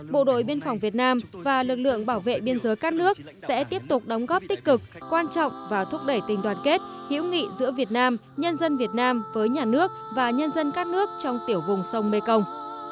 bộ đội biên phòng việt nam và lực lượng bảo vệ biên giới các nước sẽ tiếp tục đóng góp tích cực quan trọng và thúc đẩy tình đoàn kết hiểu nghị giữa việt nam nhân dân việt nam với nhà nước và nhân dân các nước trong tiểu vùng sông mekong